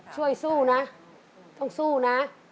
ช่วยสู้นะต้องสู้นะ